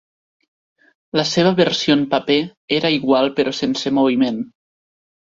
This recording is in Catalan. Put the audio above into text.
La seva versió en paper era igual però sense moviment.